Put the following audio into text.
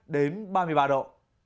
đến ba mươi ba độ